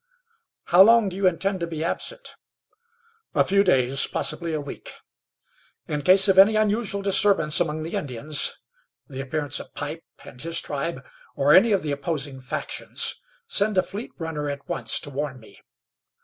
"How long do you intend to be absent?" "A few days; possibly a week. In case of any unusual disturbance among the Indians, the appearance of Pipe and his tribe, or any of the opposing factions, send a fleet runner at once to warn me.